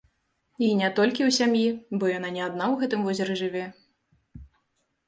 І не толькі ў сям'і, бо яна не адна ў гэтым возеры жыве.